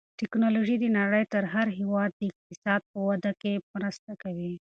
تکنالوژي د نړۍ د هر هېواد د اقتصاد په وده کې مرسته کوي.